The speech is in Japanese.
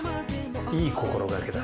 いい心掛けだ。